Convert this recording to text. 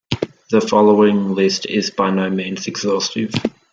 The following list is by no means exhaustive.